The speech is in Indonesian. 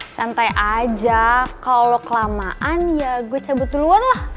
santai aja kalau kelamaan ya gue cabut duluan lah